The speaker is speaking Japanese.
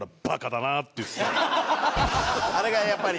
あれがやっぱり。